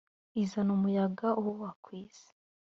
izana umuyaga uhuha ku isi